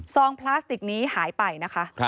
พลาสติกนี้หายไปนะคะ